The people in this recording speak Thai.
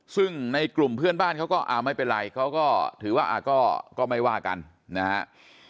ซึ่งในกลุ่มเพื่อนบ้านเขาก็ไม่เป็นไรเขาก็ถือว่าก็ไม่ว่ากันนะฮะ